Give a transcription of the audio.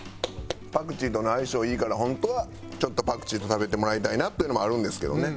パクチーとの相性いいから本当はちょっとパクチーと食べてもらいたいなっていうのもあるんですけどね。